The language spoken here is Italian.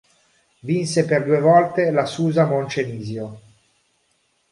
Vinse per due volte la Susa-Moncenisio.